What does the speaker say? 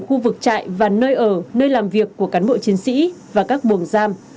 khu vực trại và nơi ở nơi làm việc của cán bộ chiến sĩ và các buồng giam